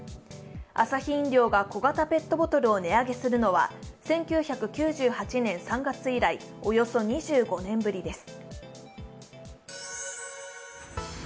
アサヒ飲料が小型ペットボトルを値上げするのは１９９８年３月以来およそ２５年ぶりです。